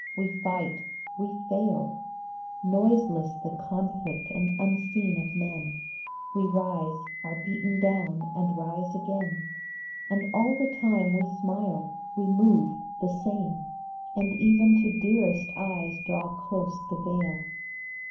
We fight, we fail ! Noiseless the conflict and unseen of men ; We rise, are beaten down, and rise again, And all the time we smile, we move, the same, And even to dearest eyes draw close the veil.